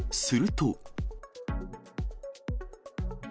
すると。